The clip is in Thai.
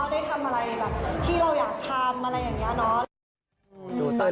ได้ทำอะไรแบบที่เราอยากทำอะไรอย่างนี้เนาะ